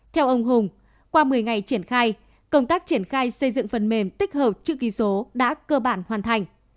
theo ông hùng qua một mươi ngày triển khai công tác triển khai xây dựng phần mềm tích hợp chữ ký số đã cơ bản hoàn thành